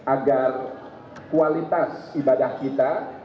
agar kualitas ibadah kita